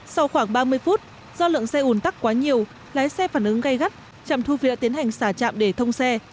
sau khoảng ba mươi phút do lượng xe ủn tắc quá nhiều lái xe phản ứng gây gắt trạm thu phí đã tiến hành xả trạm để thông xe